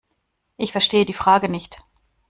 Ich verstehe die Frage nicht.